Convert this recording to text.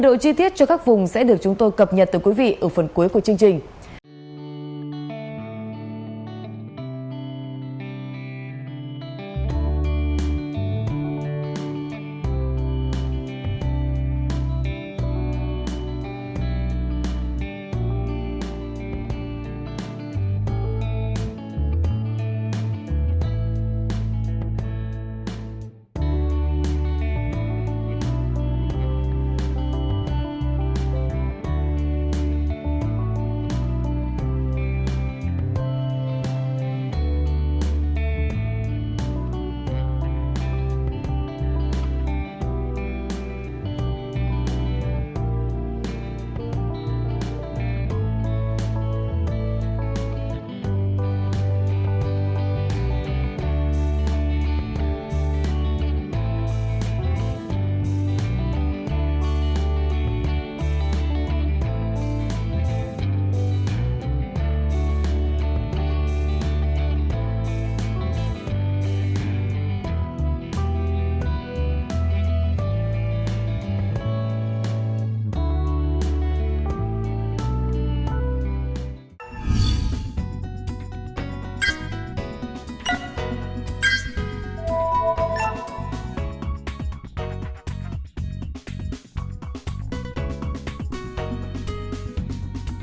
hãy đăng ký kênh để ủng hộ kênh của chúng mình nhé